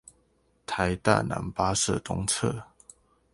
臺大男八舍東側